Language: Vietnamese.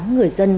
tám người dân